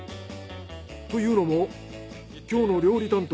というのも今日の料理担当